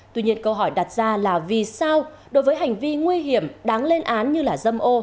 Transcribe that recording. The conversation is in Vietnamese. tuy nhiên câu hỏi đặt ra là vì sao đối với hành vi nguy hiểm đáng lên án như là dâm ô